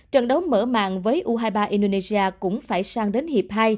trận đấu mở mạng với u hai mươi ba indonesia cũng phải sang đến hiệp hai